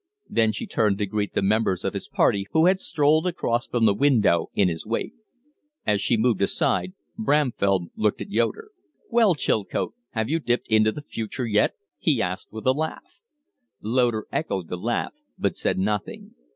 Then she turned to greet the members of his party who had strolled across from the window in his wake. As she moved aside Bramfell looked at Loder. "Well, Chilcote, have you dipped into the future yet?" he asked, with a laugh. Loder echoed the laugh but said nothing.